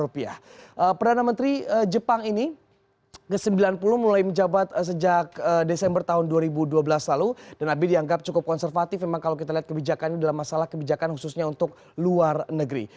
perdana menteri jepang ini ke sembilan puluh mulai menjabat sejak desember tahun dua ribu dua belas lalu dan nabi dianggap cukup konservatif memang kalau kita lihat kebijakan ini adalah masalah kebijakan khususnya untuk luar negeri